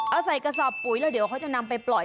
เอาใส่กระสอบปุ๋ยแล้วเดี๋ยวเขาจะนำไปปล่อย